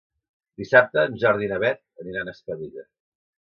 Dissabte en Jordi i na Beth aniran a Espadella.